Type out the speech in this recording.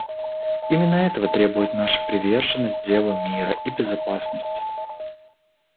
Именно этого требует наша приверженность делу мира и безопасности.